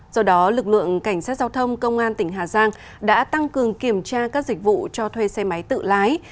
do đó lực lượng cảnh sát giao thông công an tỉnh hà giang đã tăng cường kiểm tra các dịch vụ cho thuê xe máy tự lái